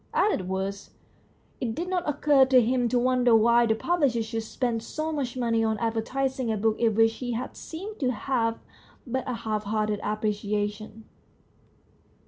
As it was, it did not occur to him to wonder why the publisher should spend so much money on advertising a book of which he had seemed to have but a half hearted appreciation.